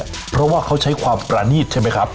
ก็เพราะเขาใช้ความประณีตใช่มั้ยครับ